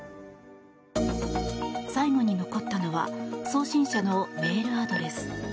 最後に残ったのは送信者のメールアドレス。